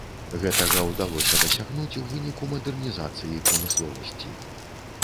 Гэтага ўдалося дасягнуць у выніку мадэрнізацыі прамысловасці.